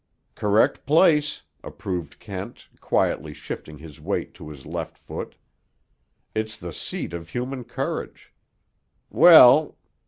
"Correct place," approved Kent, quietly shifting his weight to his left foot. "It's the seat of human courage. Well!"